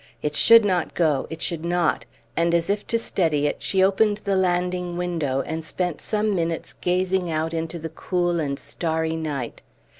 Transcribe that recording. It should not go; it should not; and as if to steady it, she opened the landing window, and spent some minutes gazing out into the cool and starry night.